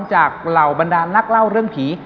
เหล่าบรรดานนักเล่าเรื่องผี